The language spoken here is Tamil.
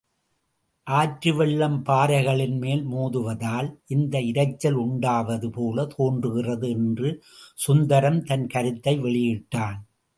ஆற்று வெள்ளம் பாறைகளின்மேல் மோதுவதால் இந்த இரைச்சல் உண்டாவது போலத் தோன்றுகிறது என்று சுந்தரம் தன் கருத்தை வெளியிட்டான்.